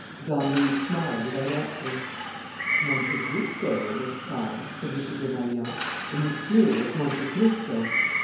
..." Don Luis smiled without answering. "Monte Cristo, this time," said M. Desmalions. "The mysterious Monte Cristo."